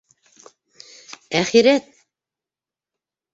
Әхирәт...